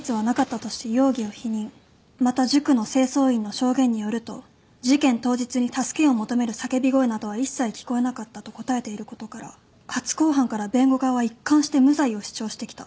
また塾の清掃員の証言によると事件当日に助けを求める叫び声などは一切聞こえなかったと答えていることから初公判から弁護側は一貫して無罪を主張してきた。